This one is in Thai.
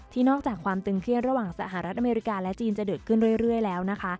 นอกจากความตึงเครียดระหว่างสหรัฐอเมริกาและจีนจะเกิดขึ้นเรื่อยแล้วนะคะ